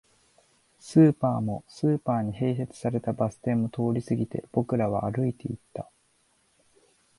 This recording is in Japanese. スーパーも、スーパーに併設されたバス停も通り過ぎて、僕らは歩いていった